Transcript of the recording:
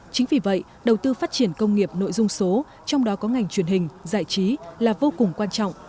chính vì vậy đầu tư phát triển công nghiệp nội dung số trong đó có ngành truyền hình giải trí là vô cùng quan trọng